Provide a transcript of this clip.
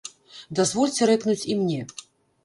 Дазвольце рэкнуць і мне.